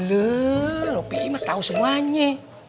lho pi mah tau semuanya